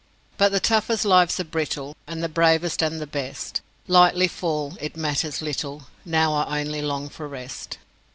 "But the toughest lives are brittle, And the bravest and the best Lightly fall it matters little; Now I only long for rest."